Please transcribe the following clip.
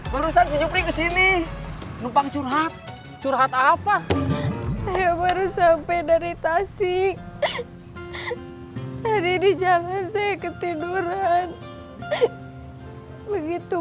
kawasan di sini nupang curhat curhat apa sampai dari tasik hari di jalan saya ketiduran begitu